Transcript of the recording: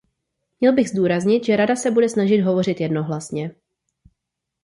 Měl bych zdůraznit, že Rada se bude snažit hovořit jednohlasně.